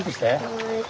はい。